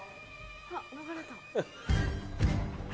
あっ流れた。